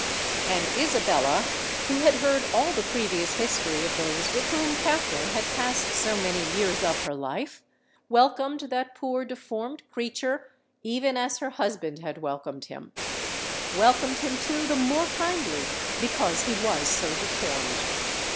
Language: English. And Isabella, who had heard all the previous history of those with whom Katherine had passed so many years of her life, welcomed that poor deformed creature even as her husband had welcomed him,—welcomed him, too, the more kindly because he was so deformed!